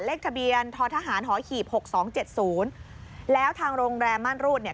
เลขทะเบียนททหารหอหีบหกสองเจ็ดศูนย์แล้วทางโรงแรมม่านรูดเนี่ย